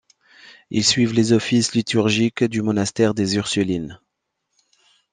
Ils suivent les offices liturgiques du monastère des ursulines.